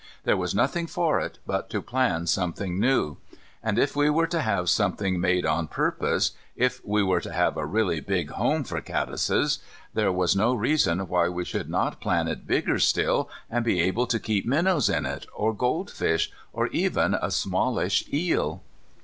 There was nothing for it but to plan something new. And, if we were to have something made on purpose, if we were to have a really big home for caddises, there was no reason why we should not plan it bigger still and be able to keep minnows in it, or goldfish, or even a smallish eel.